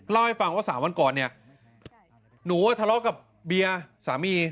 เล่าให้ฟังว่า๓วันก่อนเนี่ยหนูทะเลาะกับเบียร์สามี